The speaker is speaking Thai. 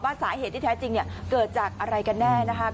สาเหตุที่แท้จริงเกิดจากอะไรกันแน่นะคะ